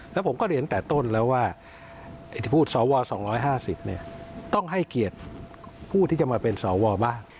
แล้วผมก็เรียนตั้งแต่ต้นแล้วว่าพูดสว๒๕๐ต้องให้เกียรติผู้ที่จะมาเป็นสวบ้าง